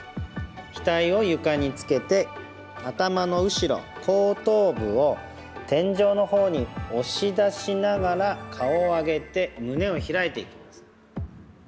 額を床につけて頭の後ろ、後頭部を天井のほうに押し出しながら顔を上げて胸を開いていきます。